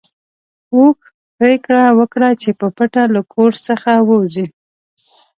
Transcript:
اوښ پرېکړه وکړه چې په پټه له کور څخه ووځي.